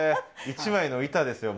一枚の板ですよ